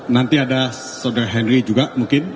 nanti ada saudara henry juga mungkin